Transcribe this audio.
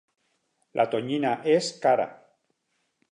La tonyina és cara.